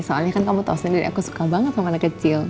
soalnya kan kamu tahu sendiri aku suka banget sama anak kecil